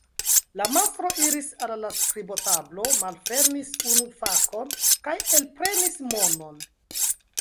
La mastro iris al la skribotablo, malfermis unu fakon kaj elprenis monon.